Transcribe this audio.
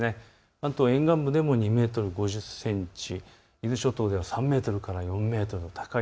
関東沿岸部でも２メートル５０センチ、伊豆諸島では３メートルから４メートル。